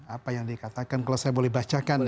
apa yang dikatakan kalau saya boleh bacakan